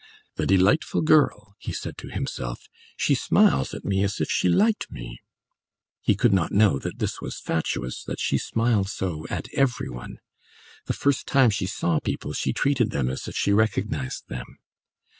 "The delightful girl," he said to himself; "she smiles at me as if she liked me!" He could not know that this was fatuous, that she smiled so at every one; the first time she saw people she treated them as if she recognised them.